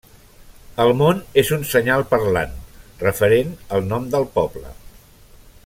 El món és un senyal parlant referent al nom del poble.